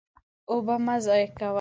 اوبه مه ضایع کوه.